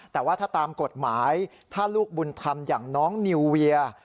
แต่ว่าถ้าตามกฎหมายถ้าลูกบุญธรรมอย่างน้องนิวเวีย